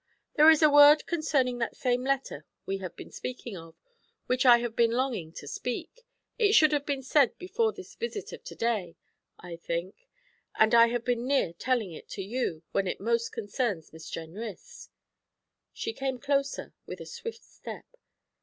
'There is a word concerning that same letter we have been speaking of, which I have been longing to speak. It should have been said before this visit of to day, I think; and I have near been telling it to you, when it most concerns Miss Jenrys.' She came closer, with a swift step.